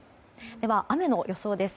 では、雨の予想です。